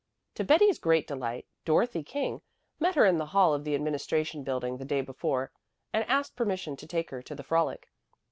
To Betty's great delight Dorothy King met her in the hall of the Administration Building the day before and asked permission to take her to the frolic.